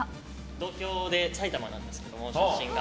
東京で埼玉なんですけど出身が。